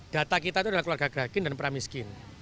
data kita itu adalah keluarga gerakin dan pramiskin